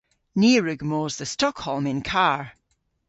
Ni a wrug mos dhe Stockholm yn karr.